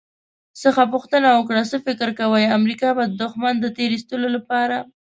څخه پوښتنه وکړه «څه فکر کوئ، امریکا به د دښمن د تیرایستلو لپاره»